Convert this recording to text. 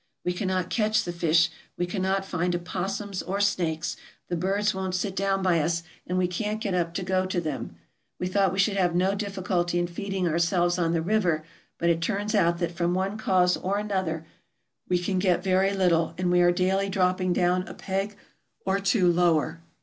We cannot catch the fish, we cannot find opossums or snakes, the birds won't sit down by us, and we can't get up to go to them. We thought we should have no difficulty in feed ing ourselves on the river, but it turns out that from one MISCELLANEOUS 435 cause or another we can get very little, and we are daily dropping down a peg or two lower.